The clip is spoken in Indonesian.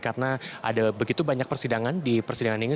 karena ada begitu banyak persidangan di persidangan ini